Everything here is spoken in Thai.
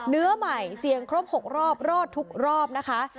เนื้อใหม่เสี่ยงครบ๖รอบรอดทุกรอบนะคะ